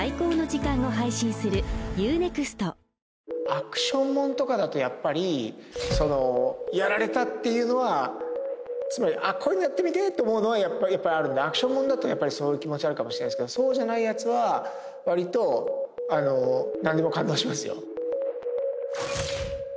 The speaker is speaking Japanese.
アクションもんとかだとやっぱりやられたっていうのはつまりああこういうのやってみてぇと思うのはあるんでアクションもんだとそういう気持ちあるかもしれないですけどそうじゃないやつは割と何でも感動しますよ